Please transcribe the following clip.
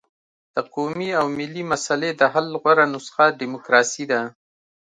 د قومي او ملي مسلې د حل غوره نسخه ډیموکراسي ده.